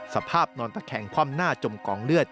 สภาพนอนตะแคงคว่ำหน้าจมกองเลือด